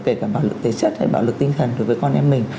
kể cả bạo lực thể chất hay bạo lực tinh thần đối với con em mình